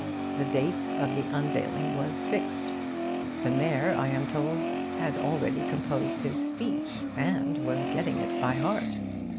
The date of the unveiling was fixed. The mayor I am told, had already composed his speech, and was getting it by heart.